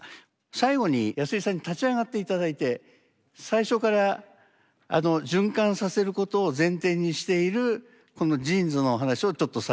最後に安居さんに立ち上がって頂いて最初から循環させることを前提にしているこのジーンズの話を最後にして頂きます。